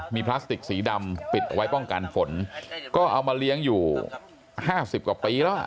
มีพลาสติกสีดำปิดไว้ป้องกันฝนก็เอามาเลี้ยงอยู่ห้าสิบกว่าปีแล้ว